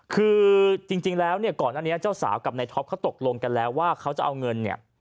คือจริงแล้วเนี่ยก่อนอันนี้เจ้าสาวกับนายท็อปเขาตกลงกันแล้วว่าเขาจะเอาเงินเนี่ย